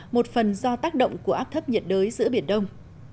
một phần do tác động của áp thấp nhiệt đới giữa biển đông